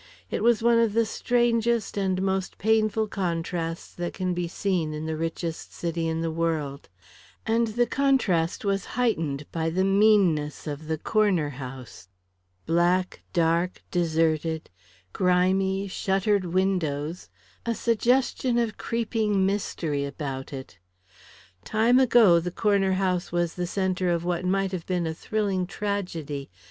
It was one of the strangest and most painful contrasts that can be seen in the richest city in the world. And the contrast was heightened by the meanness of the Corner House. Black, dark, deserted, grimy shuttered windows a suggestion of creeping mystery about it. Time ago the Corner House was the centre of what might have been a thrilling tragedy.